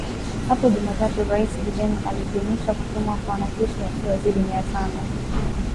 Hapo Jumatatu Raisi Biden aliidhinisha kutumwa kwa wanajeshi wasiozidi mia tano